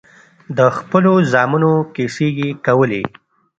د خپلو زامنو کيسې يې کولې.